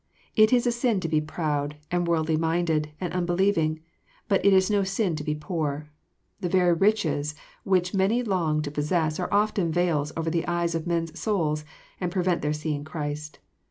It is a sin to be proud, and worldly minded, and unbelieving ; but it is no sin to be poor. The very riches which many long to possess are often veils over the eyes of men's souls, and prevent their seeing Christ.